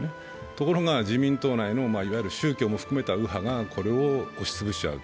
ところが自民党内の宗教を含めた右派が押しつぶしちゃう。